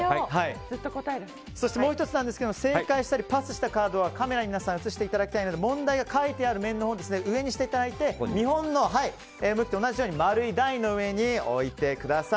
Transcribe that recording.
そしてもう１つなんですが正解したりパスしたカードはカメラに映していただきたいので問題が書いてある面を上にしていただいて見本の向きと同じように丸い台の上に置いてください。